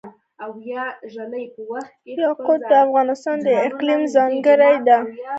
یاقوت د افغانستان د اقلیم ځانګړتیا ده.